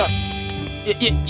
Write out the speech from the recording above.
selamat datang triton